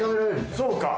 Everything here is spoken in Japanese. そうか。